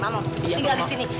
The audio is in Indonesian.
mama tinggal disini